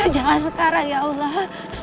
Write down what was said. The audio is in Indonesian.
jangan sekarang ya allah